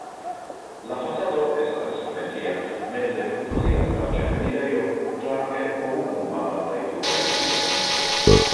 La fasado estas simetria, meze funkcias la ĉefenirejo, flanke po unu malaltaj turoj altiĝas.